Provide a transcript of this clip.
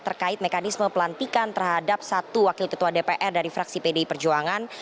terkait mekanisme pelantikan terhadap satu wakil ketua dpr dari fraksi pdi perjuangan